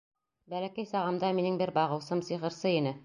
— Бәләкәй сағымда минең бер бағыусым сихырсы ине.